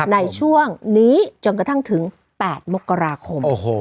ในช่วงนี้จนกระทั่งถึง๘มกราคม